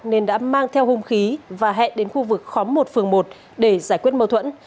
nên đã mang theo hung khí và hẹn đến khu vực khóm một phường một để giải quyết mâu thuẫn